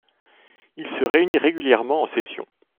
Il se réunit régulièrement en session.